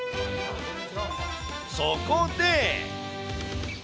そこで。